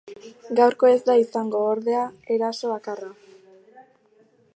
Gaurko ez da izango, ordea, eraso bakarra.